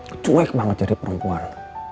gue cuek banget jadi perempuan